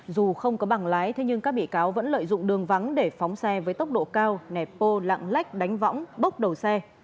dù không có bảng lái thế nhưng các bị cáo vẫn lợi dụng đường vắng để phóng xe với tốc độ cao nẹp ô lặng lách đánh võng bốc đầu xe